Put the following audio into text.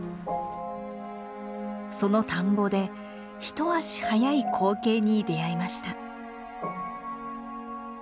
その田んぼで一足早い光景に出会いました。